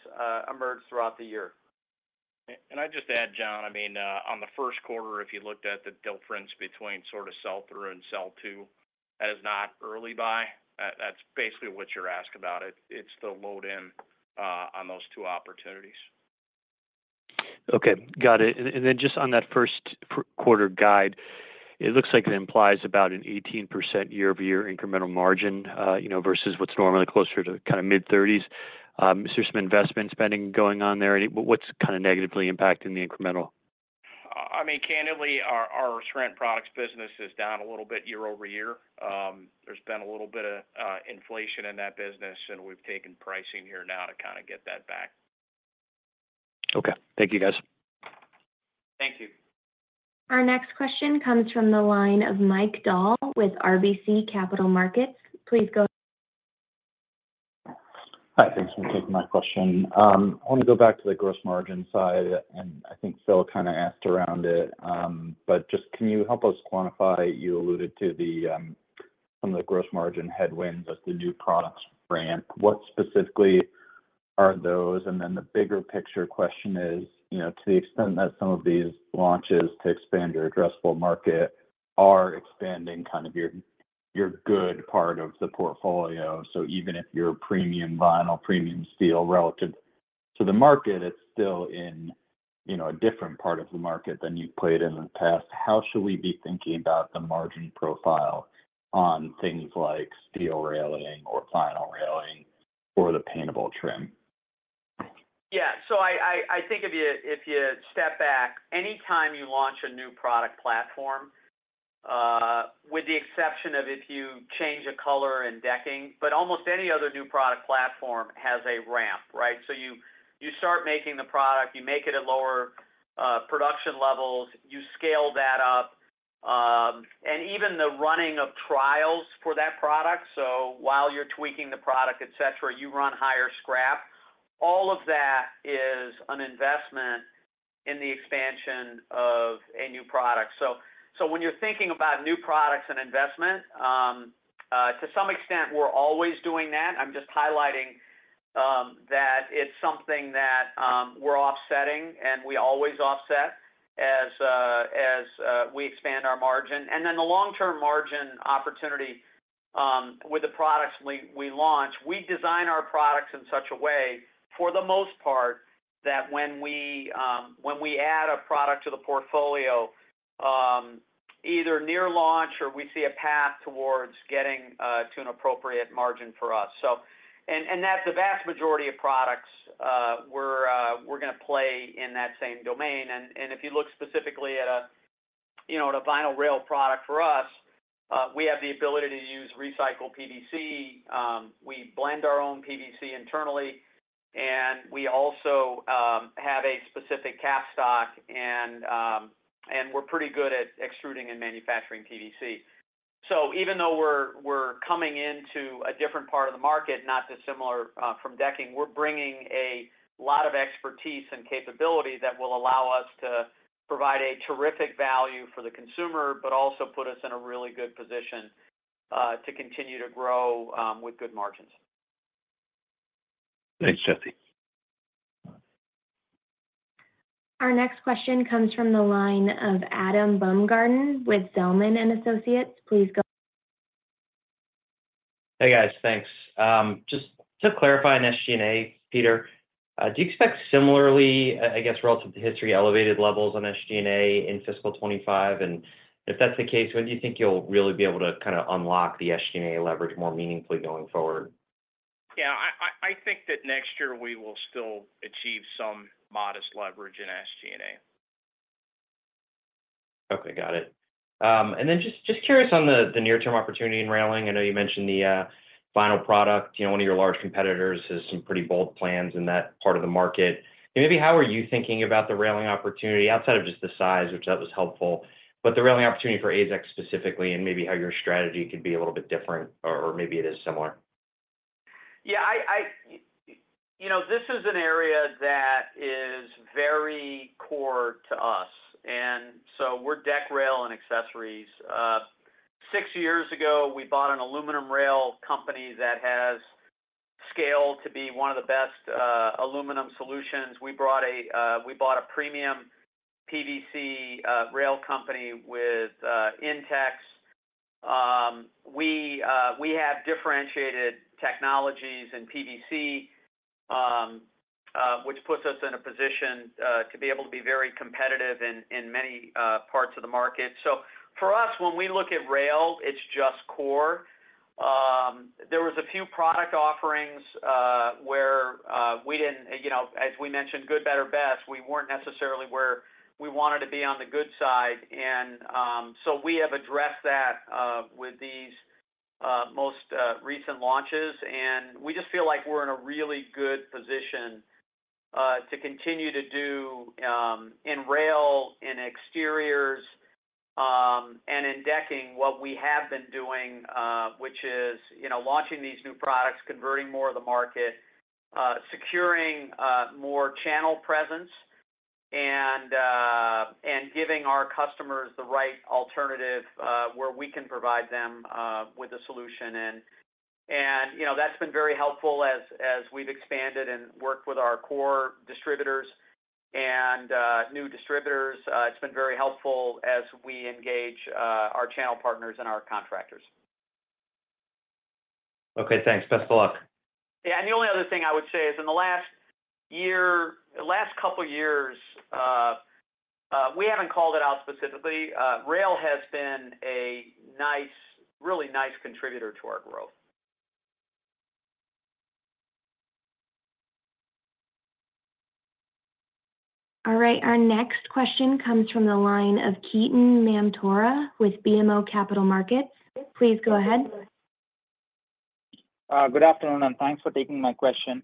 emerge throughout the year. And I'd just add, John. I mean, on the first quarter, if you looked at the difference between sort of sell-through and sell-in as not early buy, that's basically what you're asking about. It's the load-in on those two opportunities. Okay. Got it. And then just on that first quarter guide, it looks like it implies about an 18% year-over-year incremental margin versus what's normally closer to kind of mid-30s. Is there some investment spending going on there? What's kind of negatively impacting the incremental? I mean, candidly, our siding products business is down a little bit year over year. There's been a little bit of inflation in that business, and we've taken pricing action now to kind of get that back. Okay. Thank you, guys. Thank you. Our next question comes from the line of Mike Dahl with RBC Capital Markets. Please go ahead. Hi. Thanks for taking my question. I want to go back to the gross margin side, and I think Phil kind of asked around it, but just can you help us quantify? You alluded to some of the gross margin headwinds of the new products ramp. What specifically are those, and then the bigger picture question is, to the extent that some of these launches to expand your addressable market are expanding kind of your good part of the portfolio, so even if you're a premium vinyl, premium steel relative to the market, it's still in a different part of the market than you've played in the past. How should we be thinking about the margin profile on things like steel railing or vinyl railing or the paintable trim? Yeah. So I think if you step back, anytime you launch a new product platform, with the exception of if you change a color and decking, but almost any other new product platform has a ramp, right? So you start making the product, you make it at lower production levels, you scale that up. And even the running of trials for that product, so while you're tweaking the product, etc., you run higher scrap. All of that is an investment in the expansion of a new product. So when you're thinking about new products and investment, to some extent, we're always doing that. I'm just highlighting that it's something that we're offsetting, and we always offset as we expand our margin. And then the long-term margin opportunity with the products we launch, we design our products in such a way, for the most part, that when we add a product to the portfolio, either near launch or we see a path towards getting to an appropriate margin for us. And that the vast majority of products, we're going to play in that same domain. And if you look specifically at a vinyl rail product for us, we have the ability to use recycled PVC. We blend our own PVC internally. And we also have a specific capstock. And we're pretty good at extruding and manufacturing PVC. So even though we're coming into a different part of the market, not dissimilar from decking, we're bringing a lot of expertise and capability that will allow us to provide a terrific value for the consumer, but also put us in a really good position to continue to grow with good margins. Thanks, Jesse. Our next question comes from the line of Adam Baumgarten with Zelman & Associates. Please go ahead. Hey, guys. Thanks. Just to clarify on SG&A, Peter, do you expect similarly, I guess relative to history, elevated levels on SG&A in fiscal 2025? And if that's the case, when do you think you'll really be able to kind of unlock the SG&A leverage more meaningfully going forward? Yeah. I think that next year we will still achieve some modest leverage in SG&A. Okay. Got it. And then just curious on the near-term opportunity in railing. I know you mentioned the vinyl product. One of your large competitors has some pretty bold plans in that part of the market. Maybe how are you thinking about the railing opportunity outside of just the size, which that was helpful, but the railing opportunity for AZEK specifically, and maybe how your strategy could be a little bit different, or maybe it is similar? Yeah. This is an area that is very core to us, and so we're Deck, Rail & Accessories. Six years ago, we bought an aluminum rail company that has scaled to be one of the best aluminum solutions. We bought a premium PVC rail company with Intex. We have differentiated technologies in PVC, which puts us in a position to be able to be very competitive in many parts of the market, so for us, when we look at rail, it's just core. There was a few product offerings where we didn't, as we mentioned, good, better, best. We weren't necessarily where we wanted to be on the good side. And so we have addressed that with these most recent launches. And we just feel like we're in a really good position to continue to do in rail, in exteriors, and in decking what we have been doing, which is launching these new products, converting more of the market, securing more channel presence, and giving our customers the right alternative where we can provide them with a solution. And that's been very helpful as we've expanded and worked with our core distributors and new distributors. It's been very helpful as we engage our channel partners and our contractors. Okay. Thanks. Best of luck. Yeah. The only other thing I would say is in the last couple of years, we haven't called it out specifically. Rail has been a really nice contributor to our growth. All right. Our next question comes from the line of Ketan Mamtora with BMO Capital Markets. Please go ahead. Good afternoon, and thanks for taking my question.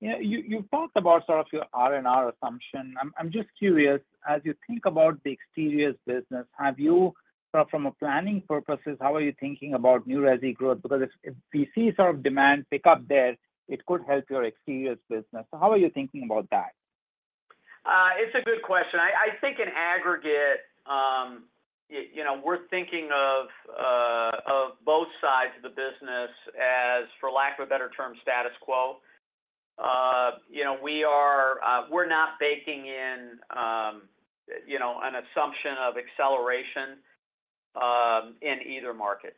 You've talked about sort of your R&R assumption. I'm just curious, as you think about the Exteriors business, from a planning purpose, how are you thinking about new resi growth? Because if we see sort of demand pick up there, it could help your Exteriors business. So how are you thinking about that? It's a good question. I think in aggregate, we're thinking of both sides of the business as, for lack of a better term, status quo. We're not baking in an assumption of acceleration in either market.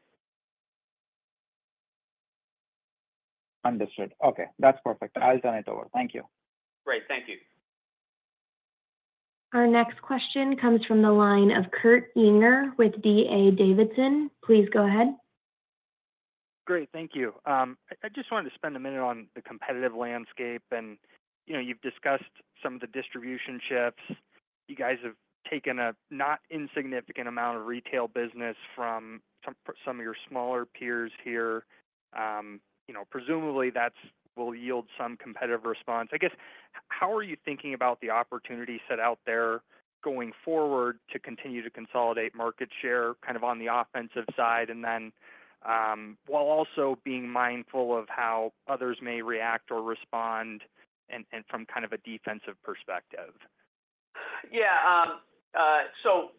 Understood. Okay. That's perfect. I'll turn it over. Thank you. Great. Thank you. Our next question comes from the line of Kurt Yinger with D.A. Davidson. Please go ahead. Great. Thank you. I just wanted to spend a minute on the competitive landscape. And you've discussed some of the distribution shifts. You guys have taken a not insignificant amount of retail business from some of your smaller peers here. Presumably, that will yield some competitive response. I guess, how are you thinking about the opportunity set out there going forward to continue to consolidate market share kind of on the offensive side while also being mindful of how others may react or respond from kind of a defensive perspective? Yeah. So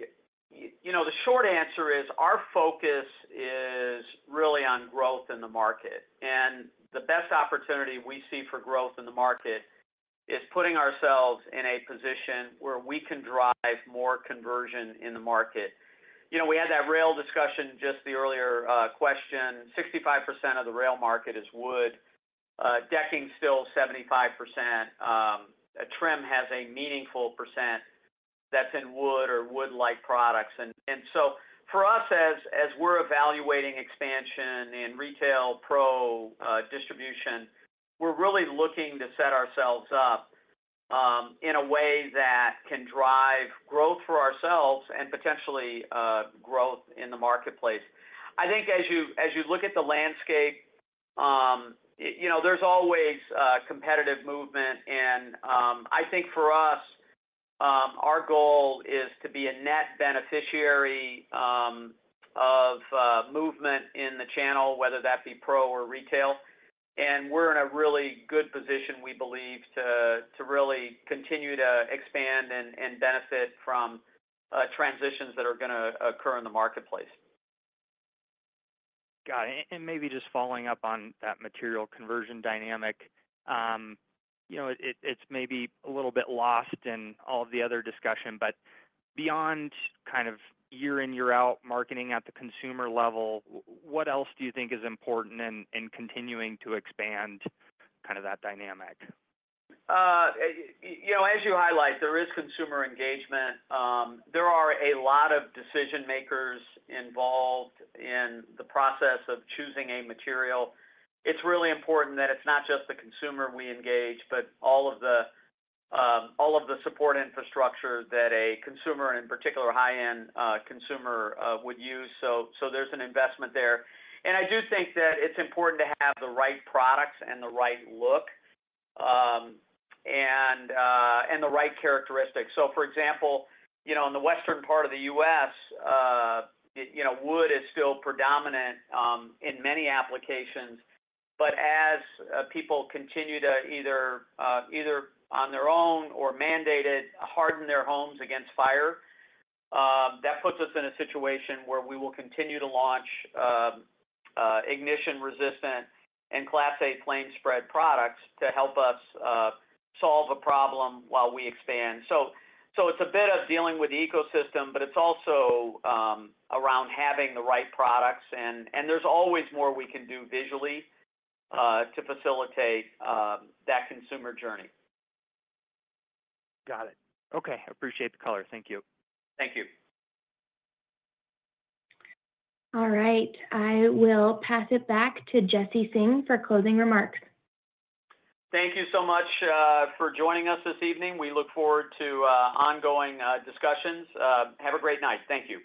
the short answer is our focus is really on growth in the market. And the best opportunity we see for growth in the market is putting ourselves in a position where we can drive more conversion in the market. We had that rail discussion just the earlier question. 65% of the rail market is wood. Decking's still 75%. A trim has a meaningful percent that's in wood or wood-like products. And so for us, as we're evaluating expansion in retail pro distribution, we're really looking to set ourselves up in a way that can drive growth for ourselves and potentially growth in the marketplace. I think as you look at the landscape, there's always competitive movement. And I think for us, our goal is to be a net beneficiary of movement in the channel, whether that be pro or retail. And we're in a really good position, we believe, to really continue to expand and benefit from transitions that are going to occur in the marketplace. Got it. And maybe just following up on that material conversion dynamic, it's maybe a little bit lost in all of the other discussion. But beyond kind of year-in-year-out marketing at the consumer level, what else do you think is important in continuing to expand kind of that dynamic? As you highlight, there is consumer engagement. There are a lot of decision-makers involved in the process of choosing a material. It's really important that it's not just the consumer we engage, but all of the support infrastructure that a consumer, and in particular, high-end consumer, would use. So there's an investment there. And I do think that it's important to have the right products and the right look and the right characteristics. So for example, in the western part of the U.S., wood is still predominant in many applications. But as people continue to either on their own or mandated harden their homes against fire, that puts us in a situation where we will continue to launch ignition-resistant and Class A flame-spread products to help us solve a problem while we expand. So it's a bit of dealing with the ecosystem, but it's also around having the right products. And there's always more we can do visually to facilitate that consumer journey. Got it. Okay. Appreciate the color. Thank you. Thank you. All right. I will pass it back to Jesse Singh for closing remarks. Thank you so much for joining us this evening. We look forward to ongoing discussions. Have a great night. Thank you.